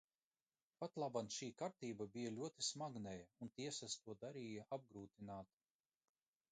Patlaban šī kārtība bija ļoti smagnēja un tiesas to darīja apgrūtināti.